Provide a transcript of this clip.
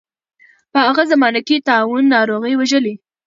په هغه زمانه کې طاعون ناروغۍ وژلي.